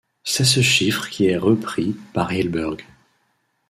C'est ce chiffre qui est repris par Hilberg.